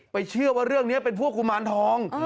เชื่อว่าเรื่องนี้เป็นพวกกุมารทอง